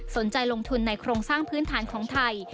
ลงทุนในโครงสร้างพื้นฐานของไทย